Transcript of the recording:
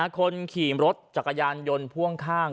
คนขี่รถจักรยานยนต์พ่วงข้าง